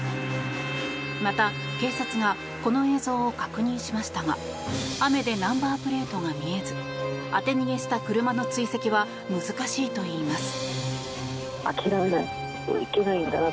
また、警察がこの映像を確認しましたが雨でナンバープレートが見えず当て逃げした車の追跡は難しいといいます。